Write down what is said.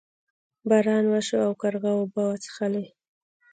باران وشو او کارغه اوبه وڅښلې.